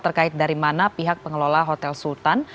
terkait dari mana pihak pengelola hotel sultan